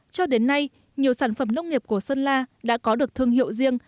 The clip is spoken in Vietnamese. cho đến nay nhiều sản phẩm nông nghiệp của sơn la đã có được thương hiệu riêng